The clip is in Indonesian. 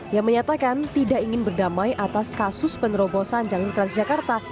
yang menyatakan tidak ingin berdamai atas kasus penerobosan jalan transjakarta